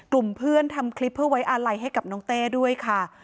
กลุ่มเพื่อนทำคลิปเพื่อไว้อาลัยให้กับน้องเต้ด้วยค่ะ